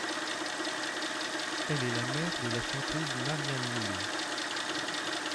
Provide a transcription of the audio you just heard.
Elle est la mère de la chanteuse Marianne Mille.